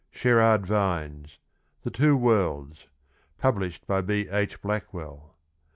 Sherard Vines. THE TWO WORLDS. Published by B. H. Blackwell.